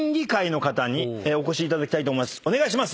お願いします。